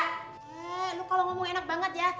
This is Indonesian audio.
eh lu kalau ngomong enak banget ya